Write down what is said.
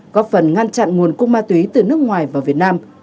góp phần ngăn chặn nguồn cung ma túy từ nước ngoài vào việt nam